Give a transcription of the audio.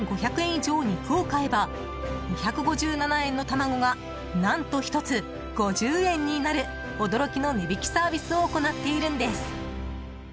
以上肉を買えば２５７円の卵が何と１つ５０円になる驚きの値引きサービスを行っているんです。